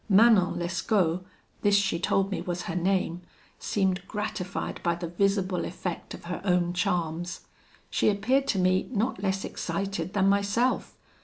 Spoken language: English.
"Manon Lescaut (this she told me was her name) seemed gratified by the visible effect of her own charms. She appeared to me not less excited than myself.